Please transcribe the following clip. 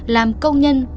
làm công nhân làm bà